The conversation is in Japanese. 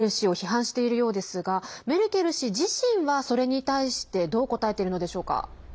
ドイツのメディアはメルケル氏を批判しているようですがメルケル氏自身はそれに対してどう答えているのでしょうか。